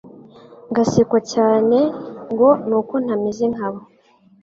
Ngasekwa cyane ngo nuko ntameze nkabo